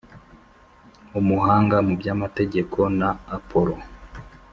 umuhanga mu by amategeko na Apolo